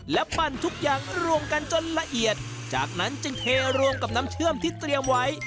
และปั้นทุกอย่างรวมกันจนละเอียดจากนั้นจึงเทรวมกับน้ำเชื่อมที่เตรียมไว้